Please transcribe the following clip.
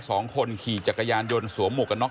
สองคนขี่จักรยานยนต์สวมหมวกกันน็